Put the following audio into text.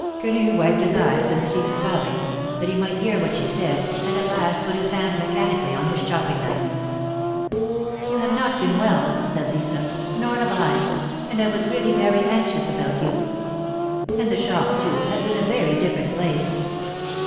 Quenu wiped his eyes and ceased sobbing, that he might hear what she said, and at last put his hand mechanically on his chopping knife. ^'You have not been well," said Lisa, ^^nor have I, and I was really very anxious about you. And the shop, too, has been a very different place."